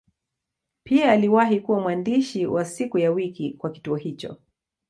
Pia aliwahi kuwa mwandishi wa siku ya wiki kwa kituo hicho.